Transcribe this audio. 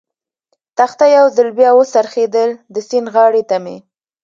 تخته یو ځل بیا و څرخېدل، د سیند غاړې ته مې.